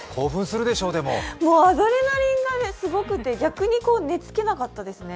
もうアドレナリンがすごくで、逆に昨日は寝付けなかったですね。